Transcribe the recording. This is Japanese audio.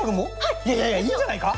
いやいやいいんじゃないか？